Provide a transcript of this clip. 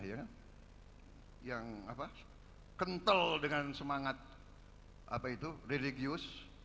yang kental dengan semangat religius